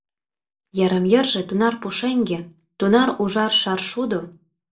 Йырым-йырже тунар пушеҥге, тунар ужар шаршудо!